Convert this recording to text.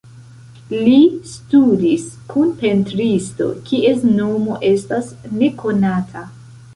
Li studis kun pentristo kies nomo estas nekonata.